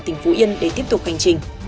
tỉnh phú yên để tiếp tục hành trình